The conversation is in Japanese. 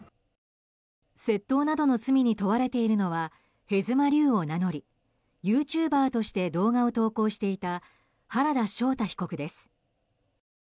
窃盗などの罪の問われているのはへずまりゅうを名乗りユーチューバーとして動画を投稿していた原田将大被告です。